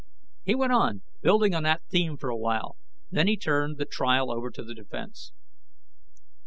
He went on, building on that theme for a while, then he turned the trial over to the defense.